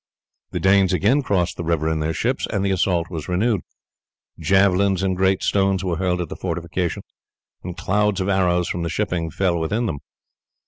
The Danes again crossed the river in their ships, and the assault was renewed. Javelins and great stones were hurled at the fortification, and clouds of arrows from the shipping fell within them.